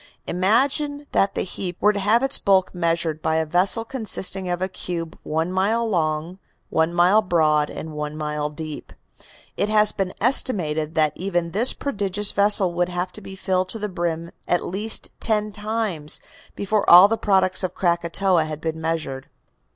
Imagine that the heap were to have its bulk measured by a vessel consisting of a cube one mile long, one mile broad and one mile deep; it has been estimated that even this prodigious vessel would have to be filled to the brim at least ten times before all the products of Krakatoa had been measured."